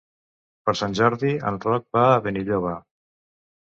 Per Sant Jordi en Roc va a Benilloba.